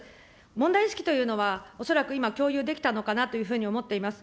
問題意識というのは、恐らく今、共有できたのかなというふうに思っております。